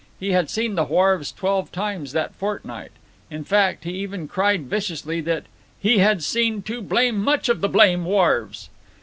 He had seen the wharves twelve times that fortnight. In fact, he even cried viciously that "he had seen too blame much of the blame wharves."